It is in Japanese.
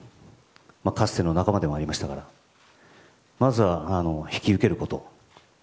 かつての仲間でもありましたからまずは引き受けること。